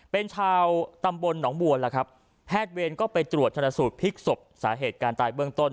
เป็นชาวตำบลหนองบวนและแพทย์เว็นไปตรวจาสูตรพิศสม